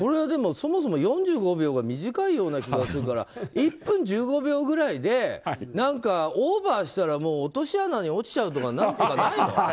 でもそもそも４５秒が短いような気がするから１分１５秒くらいでオーバーしたら落とし穴に落ちちゃうとかなんとかないの？